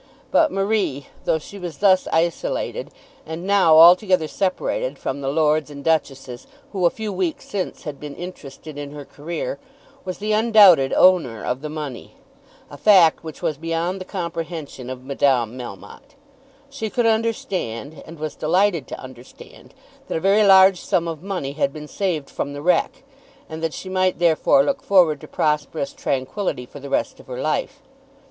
But Marie, though she was thus isolated, and now altogether separated from the lords and duchesses who a few weeks since had been interested in her career, was the undoubted owner of the money, a fact which was beyond the comprehension of Madame Melmotte. She could understand, and was delighted to understand, that a very large sum of money had been saved from the wreck, and that she might therefore look forward to prosperous tranquillity for the rest of her life.